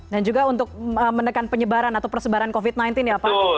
dan juga untuk mendekat penyebaran atau persebaran covid sembilan belas ya pak